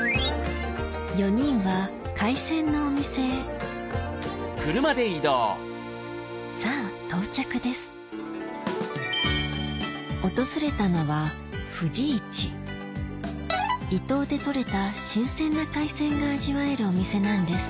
４人は海鮮のお店へさぁ訪れたのは伊東で取れた新鮮な海鮮が味わえるお店なんです